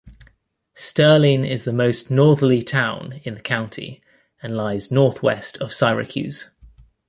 Sterling is the most northerly town in the county and lies northwest of Syracuse.